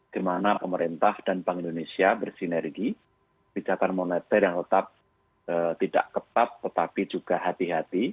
di mana pemerintah dan bank indonesia bersinergi kebijakan moneter yang tetap tidak ketat tetapi juga hati hati